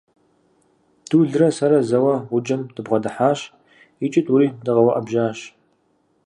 Дулрэ сэрэ зэуэ гъуджэм дыбгъэдыхьащ икӀи тӀури дыкъэуӀэбжьащ.